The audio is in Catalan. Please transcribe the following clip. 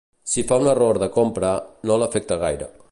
Si fa un error de compra, no l'afecta gaire.